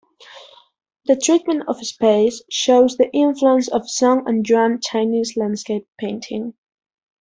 The treatment of space shows the influence of Song and Yuan Chinese landscape painting.